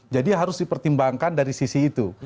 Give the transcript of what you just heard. jadi harus dipertimbangkan dari sisi itu